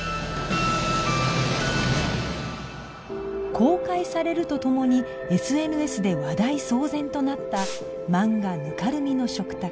公開されるとともに ＳＮＳ で話題騒然となった漫画『泥濘の食卓』